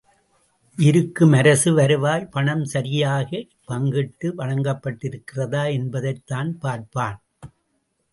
இருக்கும் அரசு வருவாய் பணம் சரியாகப் பங்கிட்டு வழங்கப்பட்டிருக்கிறதா என்பதைத் தான் பார்ப்பான்!